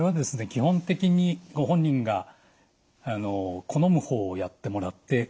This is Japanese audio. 基本的にご本人が好む方をやってもらって構いません。